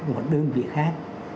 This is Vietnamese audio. một đơn vị khác